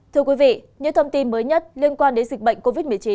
thưa quý vị những thông tin mới nhất liên quan đến dịch bệnh covid một mươi chín